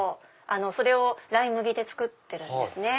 それをライ麦で作ってるんです。